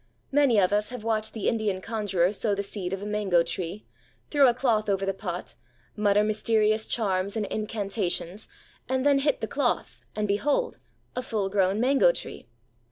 Many of us have watched the Indian conjurer sow the seed of a mango tree; throw a cloth over the pot; mutter mysterious charms and incantations; and then hit the cloth. And, behold, a full grown mango tree!